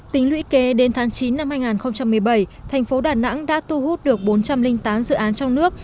tính lũy kế đến tháng chín năm hai nghìn một mươi bảy thành phố đà nẵng đã thu hút được bốn trăm linh tám dự án trong nước